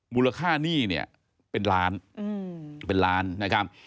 มูลค่าหนี้เนี่ยเป็นล้านเป็นล้านนะครับ